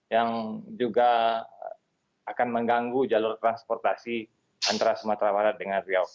yang juga akan mengganggu jalur transportasi antara sumatera barat dengan riau